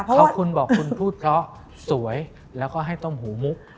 เพราะคุณบอกคุณพูดเพราะสวยแล้วก็ให้ต้มหูมุก